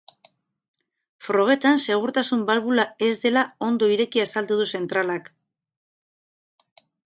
Frogetan segurtasun balbula ez dela ondo ireki azaldu du zentralak.